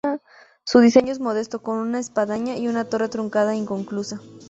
Su diseño es modesto, con una espadaña y una torre truncada e inconclusa.